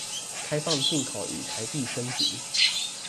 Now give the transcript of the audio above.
開放進口與台幣升值